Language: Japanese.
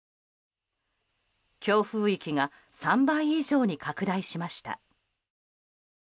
強風域が３倍以上に拡大しました。